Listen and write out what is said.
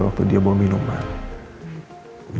waktu dia bawa minuman